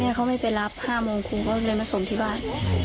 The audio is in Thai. แม่เขาไม่ไปรับ๕โมงเพราะเขาไปส่งที่บ้าน